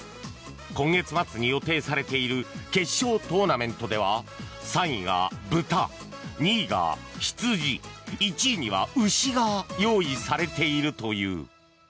今月末に予定されている決勝トーナメントでは３位が豚、２位が羊、１位には牛が用意されているという。